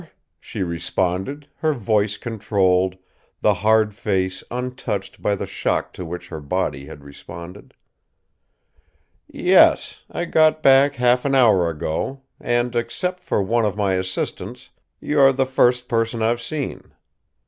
she responded, her voice controlled, the hard face untouched by the shock to which her body had responded. "Yes; I got back half an hour ago, and, except for one of my assistants, you're the first person I've seen."